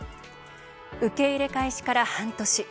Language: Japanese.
受け入れ開始から半年。